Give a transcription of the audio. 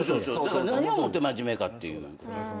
何をもって真面目かっていう。